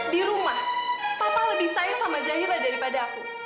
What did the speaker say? di rumah papa lebih sayang sama jahira daripada aku